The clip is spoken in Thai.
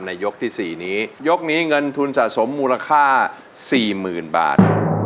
ยกที่๔นี้ยกนี้เงินทุนสะสมมูลค่า๔๐๐๐บาท